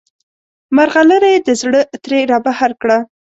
مرغلره یې د زړه ترې رابهر کړه.